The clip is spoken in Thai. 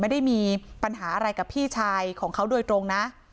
ไม่ได้มีปัญหาอะไรกับพี่ชายของเขาโดยตรงนะ